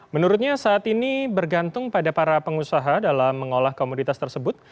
menurutnya saat ini bergantung pada para pengusaha dalam mengolah komoditas tersebut